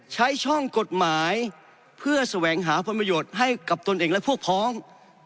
ใช้ช่องกฎหมายเพื่อแสวงหาผลประโยชน์ให้กับตนเองและพวกพ้อง